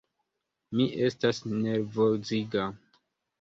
Mi estas nervoziga.